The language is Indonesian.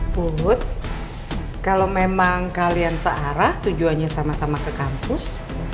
put kalau memang kalian searah tujuannya sama sama ke kampus